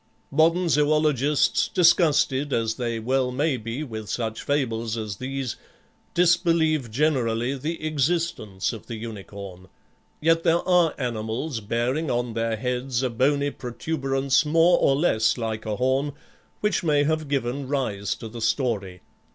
Modern zoologists, disgusted as they well may be with such fables as these, disbelieve generally the existence of the unicorn. Yet there are animals bearing on their heads a bony protuberance more or less like a horn, which may have given rise to the story.